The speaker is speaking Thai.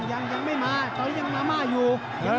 ยังไม่มาตอนนี้ยังมาม่าอยู่